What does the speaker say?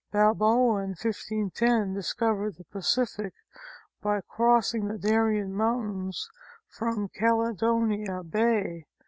Balboa, in 1510, discovered the Pacific by crossing the Darien mountains from Caledonia Bay.